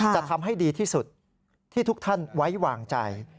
จะทำให้ดีที่สุดที่ทุกท่านไว้วางใจ